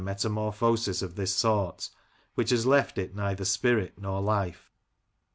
63 metamorphosis of this sort, which has left it neither spirit nor Hfe.